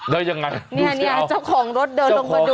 แล้วยังไงเนี่ยเจ้าของรถเดินลงมาดู